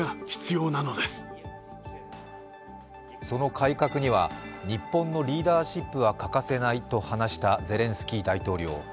その改革には日本のリーダーシップは欠かせないと話したゼレンスキー大統領。